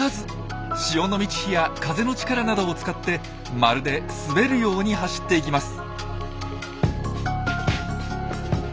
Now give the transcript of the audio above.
潮の満ち干や風の力などを使ってまるで滑るように走っていきます。